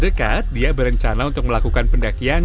dekat dia berencana untuk melakukan pendakian